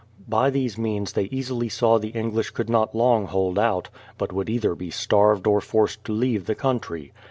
By these means they easily saw the English could not long hold out, but would either be starved or forced to leave the country.